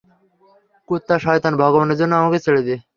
কুত্তা, সয়তান, ভগবানের জন্য আমাকে ছেড়ে দে।